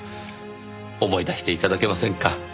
思い出して頂けませんか？